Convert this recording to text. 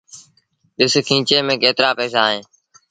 ڏس کينچي ميݩ ڪيترآ پئيٚسآ اهيݩ۔